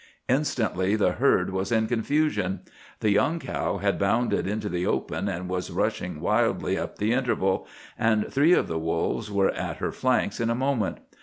Instantly the herd was in confusion. The young cow had bounded into the open and was rushing wildly up the interval, and three of the wolves were at her flanks in a moment.